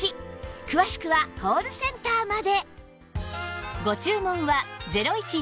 詳しくはコールセンターまで